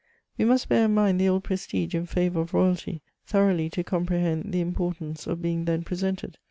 We must bear in mind the old prestige in fatour of royalty, thoroughly to comprehend the importance of being then presented.